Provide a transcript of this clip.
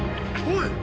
おい！